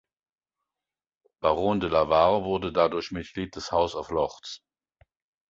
Baron De La Warr und wurde dadurch Mitglied des House of Lords.